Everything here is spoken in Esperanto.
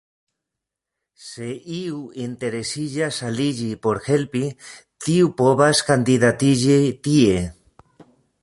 Se iu interesiĝas aliĝi por helpi, tiu povas kandidatiĝi tie.